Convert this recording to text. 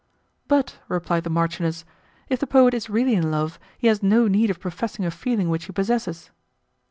"But," replied the marchioness, "if the poet is really in love, he has no need of professing a feeling which he possesses."